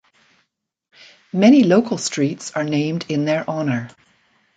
Many local streets are named in their honor.